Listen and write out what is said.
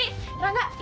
rangga ikut aku bawa yuk